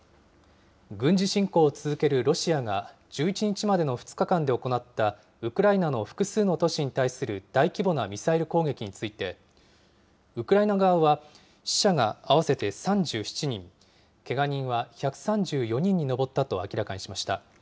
軍事侵攻を続けるロシアが、１１日までの２日間で行ったウクライナの複数の都市に対する大規模なミサイル攻撃について、ウクライナ側は死者が合わせて３７人、けが人は１３４人に上ったと明らかにしました。